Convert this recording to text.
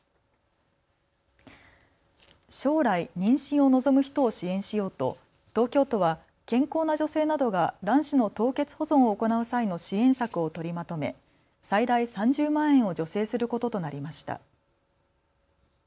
将来、妊娠を望む人を支援しようと東京都は健康な女性などが卵子の凍結保存を行う際の支援策を取りまとめ最大３０万円を助成することとなりました。